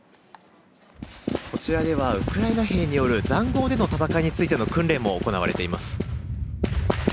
こちらではウクライナ兵による塹壕での戦いについての訓練も行われています。